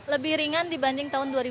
lebih ringan dibanding tahun dua ribu dua